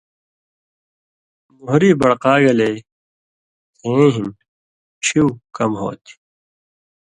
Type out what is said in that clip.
مہری بڑقا گلے کھیَیں ہِن ڇھیُو کم ہوتھی۔